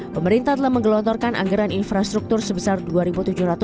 pemerintah telah menggelontorkan anggaran infrastruktur sebesar rp dua tujuh ratus